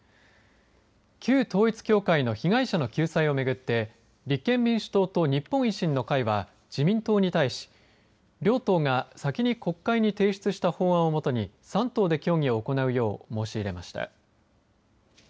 旧統一教会の被害者の救済を巡って立憲民主党と日本維新の会は自民党に対し両党が先に国会に提出した法案をもとに３党で協議を行うよう申し入れました。